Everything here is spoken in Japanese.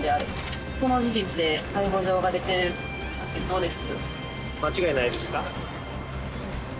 どうです？